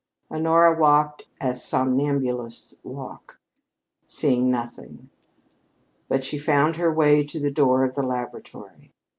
Honora walked as somnambulists walk, seeing nothing. But she found her way to the door of the laboratory.